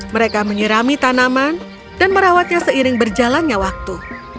mereka menyerami tanaman dan merawatnya seiring berjalannya waktu